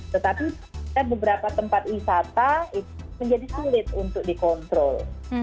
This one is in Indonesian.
tetapi kita beberapa tempat wisata menjadi sulit untuk dikontrol